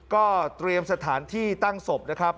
ก็เตรียมสถานที่ตั้งศพนะครับ